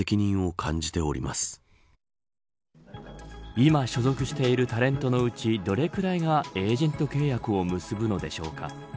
今、所属しているタレントのうちどれぐらいがエージェント契約を結ぶのでしょうか。